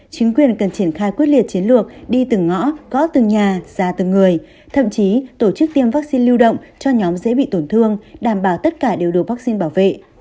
chính quyền cần triển khai quyết liệt chiến lược đi từng ngõ gõ từng nhà ra từng người thậm chí tổ chức tiêm vaccine lưu động cho nhóm dễ bị tổn thương đảm bảo tất cả đều đủ vaccine bảo vệ